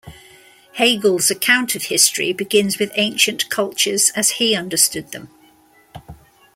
Hegel's account of history begins with ancient cultures as he understood them.